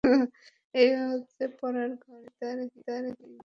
এই হচ্ছে পড়ার ঘর, এখানে তারহীন ইন্টারনেট ব্যবহার সুবিধা আছে।